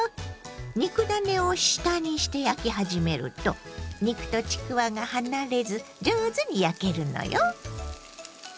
肉ダネを下にして焼き始めると肉とちくわが離れず上手に焼けるのよ。